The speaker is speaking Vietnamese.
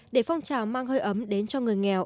để phong trào mang hơi ấm đến cho người nghèo